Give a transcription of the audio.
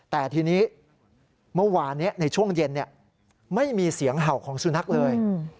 แต่ทีนี้เมื่อวานในช่วงเย็นไม่มีเสียงเห่าของสุนัขเลย